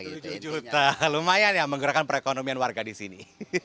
tujuh juta lumayan ya menggerakkan perekonomian warga di sini